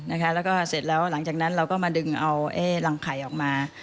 แล้วก็เสร็จแล้วหลังจากนั้นเราก็มาดึงเอารังไข่ออกมา